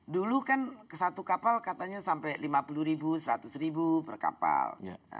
dulu kan ke satu kapal katanya sampai lima puluh ribu seratus ribu per kapal